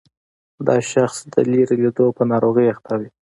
دا شخص د لیرې لیدلو په ناروغۍ اخته وي.